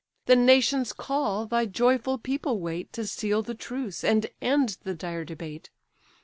The nations call, thy joyful people wait To seal the truce, and end the dire debate.